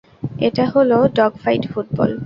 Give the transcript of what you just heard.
এটা হলো dog fight football.